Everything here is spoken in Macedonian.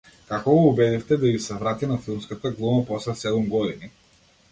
Како го убедивте да ѝ се врати на филмската глума после седум години?